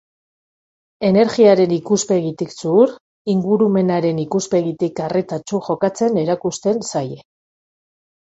Energiaren ikuspegitik zuhur, ingurumenaren ikuspegitik arretatsu jokatzen erakusten zaie.